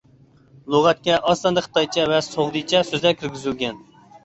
لۇغەتكە ئاز ساندا خىتايچە ۋە سوغدىچە سۆزلەر كىرگۈزۈلگەن.